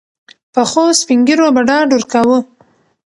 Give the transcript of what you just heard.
پخوسپین ږیرو به ډاډ ورکاوه.